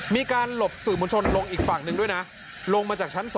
มีการหลบสื่อมวลชนลงอีกฝั่งหนึ่งด้วยนะลงมาจากชั้น๒